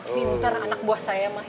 pinter anak buah saya mah